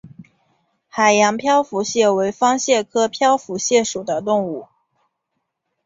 海洋漂浮蟹为方蟹科漂浮蟹属的动物。